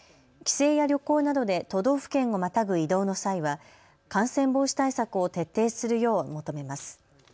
帰省や旅行などで都道府県をまたぐ移動の際は感染防止対策を徹底するよう求めます。